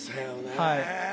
はい。